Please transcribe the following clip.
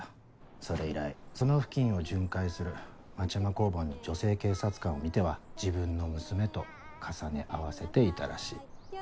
それ以来その付近を巡回する町山交番の女性警察官を見ては自分の娘と重ね合わせていたらしい。